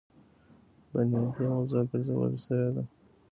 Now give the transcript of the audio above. بنيادي موضوع ګرځولے شوې ده.